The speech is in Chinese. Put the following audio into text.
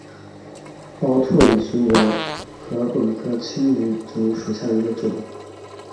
包箨矢竹为禾本科青篱竹属下的一个种。